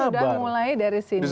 hawa hawanya sudah mulai dari sini